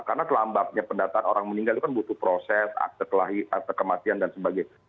karena kelambabnya pendataan orang meninggal itu kan butuh proses akte kematian dan sebagainya